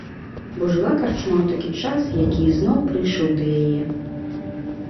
Бо жыла карчма ў такі час, які ізноў прыйшоў да яе.